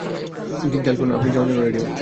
খেয়াল করলাম আপনি যাওয়ার জন্য রেডি হচ্ছেন।